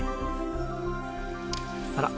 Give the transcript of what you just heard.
あら？